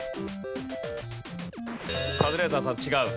カズレーザーさん違う。